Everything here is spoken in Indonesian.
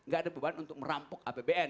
gak ada beban untuk merampok apbn